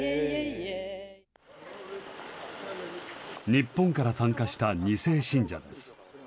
日本から参加した２世信者です。